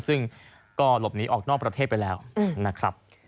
ซึ่งก็หลบหนีออกนอกประเทศไปแล้วนะครับ